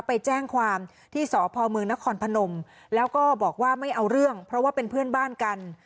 ไปแจ้งความที่สพเมืองนครพนมแล้วก็บอกว่าไม่เอาเรื่องเพราะว่าเป็นเพื่อนบ้านกัน